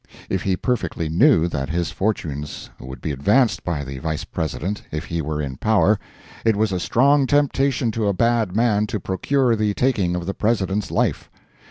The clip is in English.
If he perfectly knew that his fortunes would be advanced by the Vice President if he were in power, it was a strong temptation to a bad man to procure the taking of the President's life.